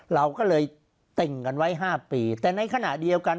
เราก็เลยติ่งกันไว้๕ปีแต่ในขณะเดียวกัน